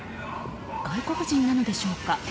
外国人なのでしょうか。